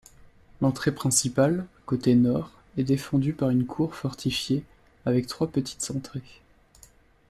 L'entrée principale, côté nord, est défendue par une cour fortifiée avec trois petites entrées.